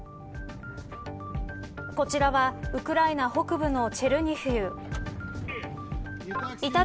こちらはウクライナ北部のチェルニヒウ。